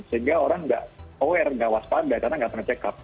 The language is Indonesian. sehingga orang nggak aware nggak waspada karena nggak pernah check up